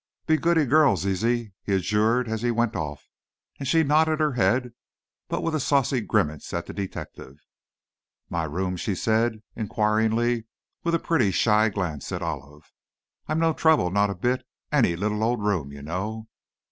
"Be goody girl, Zizi," he adjured as he went off, and she nodded her head, but with a saucy grimace at the detective. "My room?" she said, inquiringly, with a pretty, shy glance at Olive. "I'm no trouble, not a bit. Any little old room, you know."